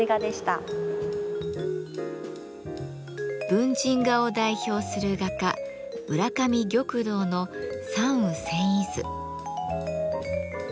文人画を代表する画家浦上玉堂の「山雨染衣図」。